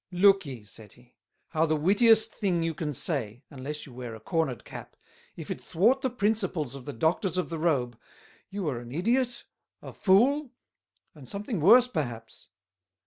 "Look ye," said he, "how the Wittiest thing you can say, unless you wear a Cornered Cap, if it thwart the Principles of the Doctors of the Robe, you are an Ideot, a Fool, and something worse perhaps.